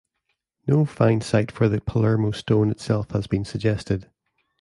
No find site for the Palermo Stone itself has been suggested.